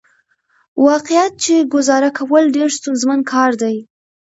واقعيت چې ګزاره کول ډېره ستونزمن کار دى .